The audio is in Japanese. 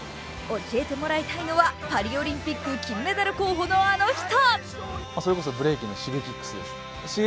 教えてもらいたいのはパリオリンピック金メダル候補のあの人。